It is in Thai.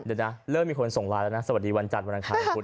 เดี๋ยวนะเริ่มมีคนส่งไลน์แล้วนะสวัสดีวันจันทร์วันอังคาร